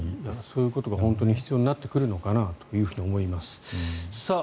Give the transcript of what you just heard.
そういうことが必要になってくるのかなと思います。